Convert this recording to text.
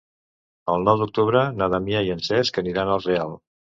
El nou d'octubre na Damià i en Cesc aniran a Real.